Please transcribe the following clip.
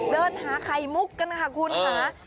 เดินหาไข่มุกกันค่ะคุณค่ะ